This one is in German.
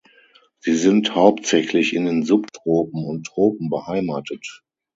Sie sind hauptsächlich in den Subtropen und Tropen beheimatet.